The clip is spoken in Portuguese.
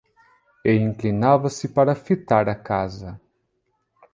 E inclinava-se para fitar a casa...